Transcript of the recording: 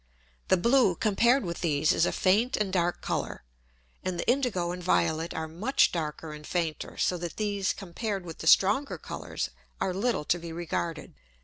The blue compared with these is a faint and dark Colour, and the indigo and violet are much darker and fainter, so that these compared with the stronger Colours are little to be regarded.